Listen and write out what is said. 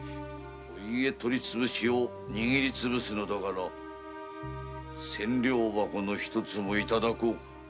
お家お取りつぶしを握りつぶすのだから千両箱の一つもいただこうか。